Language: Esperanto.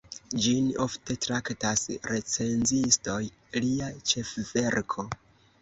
Ĝin ofte traktas recenzistoj lia ĉefverko.